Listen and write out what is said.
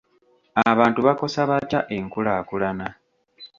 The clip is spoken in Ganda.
Abantu bakosa batya enkulaakulana?